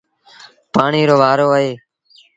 پآڻيٚ رو وآرو اهي۔